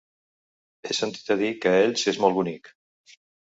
He sentit a dir que Elx és molt bonic.